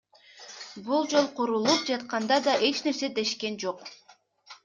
Бул жол курулуп жатканда да эч нерсе дешкен эмес.